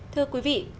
thưa quý vị